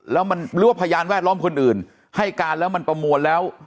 แล้วมันหรือว่าพยานแวดล้อมคนอื่นให้การแล้วมันประมวลแล้ว